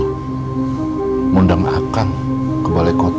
mengundang hak ke balai kota